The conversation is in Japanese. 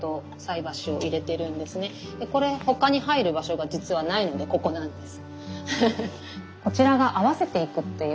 でこれ他に入る場所が実はないのでここなんです。